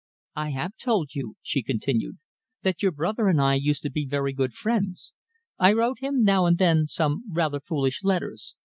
"I have told you," she continued, "that your brother and I used to be very good friends. I wrote him now and then some rather foolish letters.